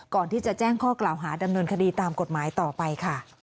ก่อนที่จะแจ้งข้อกล่าวหาดำเนินคดีตามกฎหมายต่อไปค่ะ